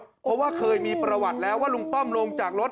เพราะว่าเคยมีประวัติแล้วว่าลุงป้อมลงจากรถ